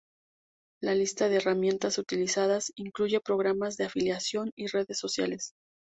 La lista de herramientas utilizadas incluye programas de afiliación y redes sociales.